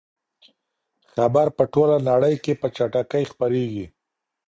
خبر په ټوله نړۍ کې په چټکۍ خپریږي.